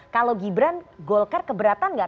kalau gibran golkar keberatan nggak